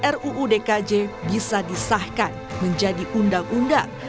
ruu dkj bisa disahkan menjadi undang undang